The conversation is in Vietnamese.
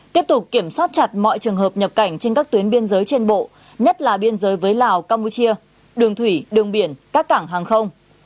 tiếp tục kiểm soát chặt mọi trường hợp nhập cảnh trên các tuyến biên giới trên bộ nhất là biên giới với lào campuchia đường thủy đường biển các cảng hàng không